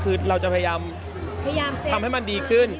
คือเราจะพยายามทำให้มันดีขึ้น